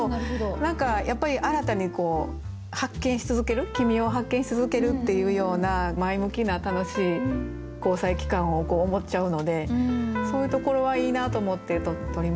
何かやっぱり新たに発見し続ける君を発見し続けるっていうような前向きな楽しい交際期間を思っちゃうのでそういうところはいいなと思ってとりました。